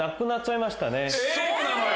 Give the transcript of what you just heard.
そうなのよ。